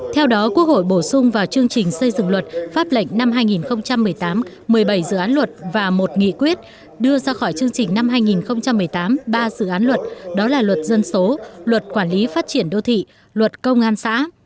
theo đó quốc hội bổ sung vào chương trình xây dựng luật pháp lệnh năm hai nghìn một mươi tám một mươi bảy dự án luật và một nghị quyết đưa ra khỏi chương trình năm hai nghìn một mươi tám ba dự án luật đó là luật dân số luật quản lý phát triển đô thị luật công an xã